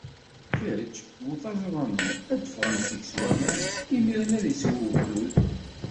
Kečč, wet aẓru-nni, ad d-ffɣen seg-s waman, imiren ad isew ugdud.